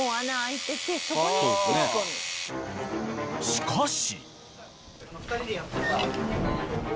［しかし］